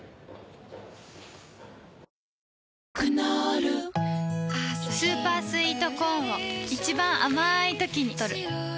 クノールスーパースイートコーンを一番あまいときにとる